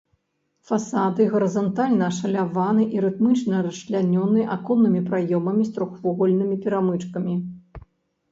Фасады гарызантальна ашаляваны і рытмічна расчлянёны аконнымі праёмамі з трохвугольнымі перамычкамі.